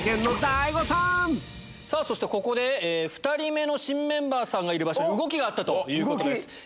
２人目の新メンバーさんがいる場所に動きがあったということです。